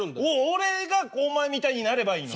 俺がお前みたいになればいいのね？